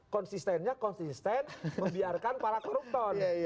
konsistennya konsisten membiarkan para koruptor